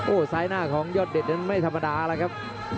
โอ้โหซ้ายหน้าของยอดเด็ดนั้นไม่ธรรมดาแล้วครับ